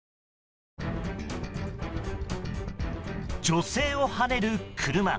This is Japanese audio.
女性をはねる車。